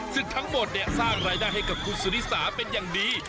ซึ่งทั้งหมดเนี่ยสร้างรายได้ให้กับคุณสุริสาเป็นอย่างดี